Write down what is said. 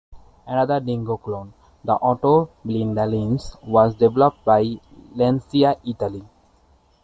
Another Dingo clone, the "Autoblinda Lince" was developed by Lancia, Italy.